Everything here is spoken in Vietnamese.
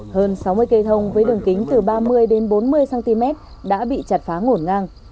hơn sáu mươi cây thông với đường kính từ ba mươi đến bốn mươi cm đã bị chặt phá ngổn ngang